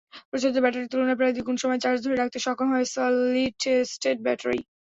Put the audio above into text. প্রচলিত ব্যাটারির তুলনায় প্রায় দ্বিগুণ সময় চার্জ ধরে রাখতে সক্ষম হবে সলিড-স্টেট ব্যাটারি।